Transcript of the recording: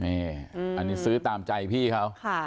นี่อืมอันนี้ซื้อตามใจพี่เขาค่ะ